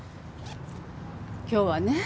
今日はね